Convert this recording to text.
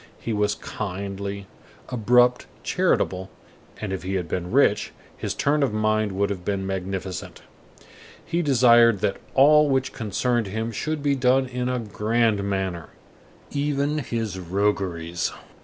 He was kindly, abrupt, charitable, and if he had been rich, his turn of mind would have been magnificent. He desired that all which concerned him should be done in a grand manner, even his rogueries.